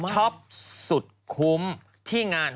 ช็อปสุดคุ้มที่งาน